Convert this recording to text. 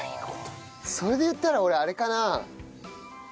それで言ったら俺あれかな。